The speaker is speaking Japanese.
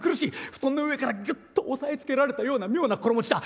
布団の上からギュッと押さえつけられたような妙な心持ちだ。